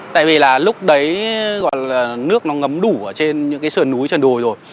tại vì là lúc đấy gọi là nước nó ngấm đủ ở trên những cái sườn núi trần đồi rồi